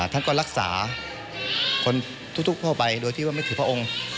ท่านก็รักษาคนทุกทั่วไปโดยที่ว่าไม่ถือพระองค์